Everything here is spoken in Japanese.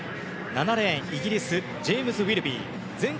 ７レーン、イギリスジェームズ・ウィルビー。